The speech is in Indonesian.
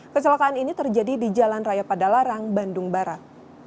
kecelakaan ini terjadi di jalan raya padalarang bandung barat